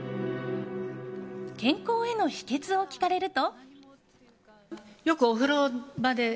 健康への秘訣を聞かれると。